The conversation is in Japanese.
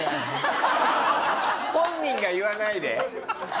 本人が言わないで。